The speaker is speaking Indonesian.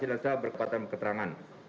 di taewa yaitu jelas berkepatan keterangan